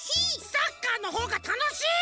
サッカーのほうがたのしい！